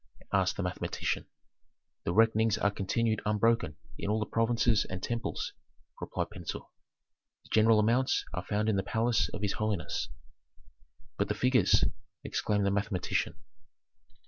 asked the mathematician. "The reckonings are continued unbrokenly in all the provinces and temples," replied Pentuer. "The general amounts are found in the palace of his holiness." "But the figures?" exclaimed the mathematician.